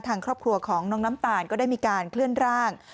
ทางครอบครัวของน้องน้ำตาลก็ได้มีการเคลื่อนร่าง